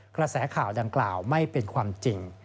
กระแสข่าวดังกล่าวไม่เป็นความจริง